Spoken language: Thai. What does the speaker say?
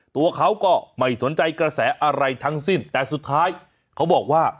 ตัวเขาก็ไม่สนใจกระแสอะไรทั้งสิ้นแต่สุดท้ายเขาบอกว่า